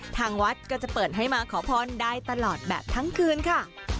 ทางวัดก็จะเปิดให้มาขอพรได้ตลอดแบบทั้งคืนค่ะ